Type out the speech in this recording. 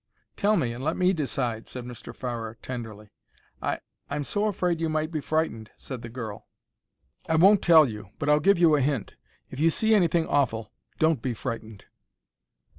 "Tell me and let me decide," said Mr. Farrer, tenderly. "I—I'm so afraid you might be frightened," said the girl. "I won't tell you, but I'll give you a hint. If you see anything awful, don't be frightened."